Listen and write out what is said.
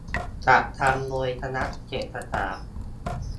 จัดทำโดยคณะเศรษฐศาสตร์